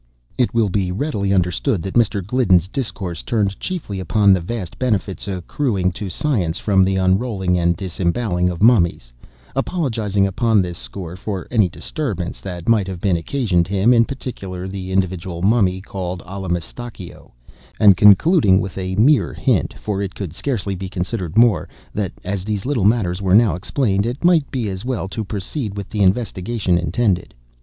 It will be readily understood that Mr. Gliddon's discourse turned chiefly upon the vast benefits accruing to science from the unrolling and disembowelling of mummies; apologizing, upon this score, for any disturbance that might have been occasioned him, in particular, the individual Mummy called Allamistakeo; and concluding with a mere hint (for it could scarcely be considered more) that, as these little matters were now explained, it might be as well to proceed with the investigation intended.